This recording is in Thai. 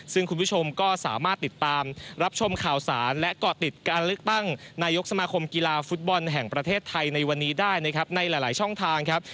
ซึ่งคุณผู้ชมก็สามารถติดตามรับชมข่าวสารและเกาะติดการเลือกตั้งนายกสมาคมกีฬาฟุตบอลแห่งประเทศไทยในวันนี้ได้นะครับในหลายช่องทางครับ